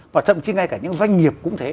và thậm chí ngay cả những doanh nghiệp cũng thế